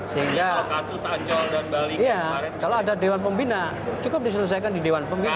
sehingga kalau ada dewan pembina cukup diselesaikan di dewan pembina